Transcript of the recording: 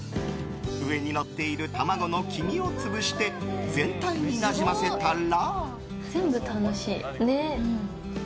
上にのっている卵の黄身を潰して全体になじませたら。